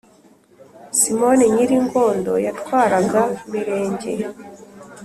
Simoni Nyiringondo yatwaraga Mirenge.